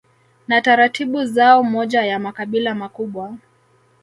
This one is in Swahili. na taratibu zao Moja ya makabila makubwa